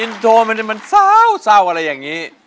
อินโทรมันมันเศร้าอะไรอย่างนี้